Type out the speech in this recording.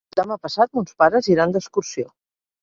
Demà passat mons pares iran d'excursió.